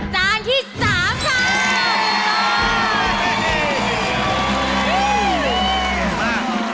จานที่๓ค่ะ